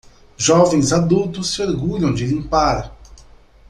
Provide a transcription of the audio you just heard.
Jovens adultos se orgulham de limpar.